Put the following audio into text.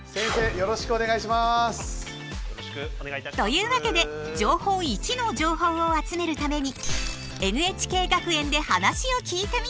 よろしくお願いします！というわけで「情報Ⅰ」の情報を集めるためにＮＨＫ学園で話を聞いてみた。